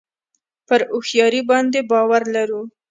پر هوښیاري باندې باور لرو.